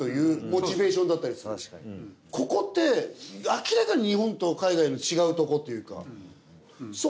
ここって明らかに日本と海外の違うとこっていうか。